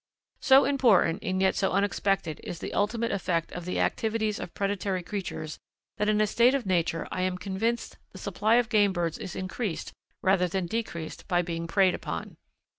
So important and yet so unexpected is the ultimate effect of the activities of predatory creatures that in a state of nature I am convinced the supply of game birds is increased rather than decreased by being preyed upon.